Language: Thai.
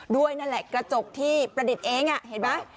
ด้วยนั่นแหละกระจกที่ประดิษฐ์เองเห็นไหม